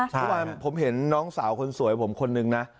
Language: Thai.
ทุกวันผมเห็นน้องสาวคนสวยผมคนหนึ่งนะ